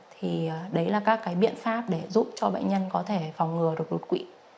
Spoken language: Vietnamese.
thì đấy là các cái biện pháp để giúp cho bệnh nhân có thể phòng ngừa đột quỵ